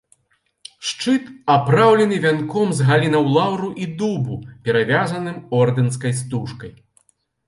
Шчыт апраўлены вянком з галінаў лаўру і дубу, перавязаным ордэнскай стужкай.